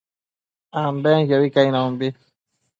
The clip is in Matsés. ambenquiobi cainombi